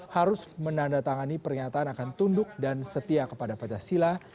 harus menandatangani pernyataan akan tunduk dan setia kepada pancasila